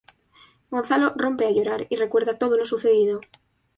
Gonzalo rompe a llorar y recuerda todo lo sucedido.